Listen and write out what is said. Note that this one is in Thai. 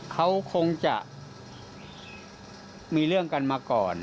เขาคงจะมีเรื่องกันมาก่อน